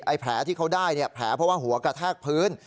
แผลที่เขาได้เนี่ยแผลเพราะว่าหัวกระแทกพื้น